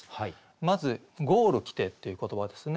まず「ゴール来て」っていう言葉ですね。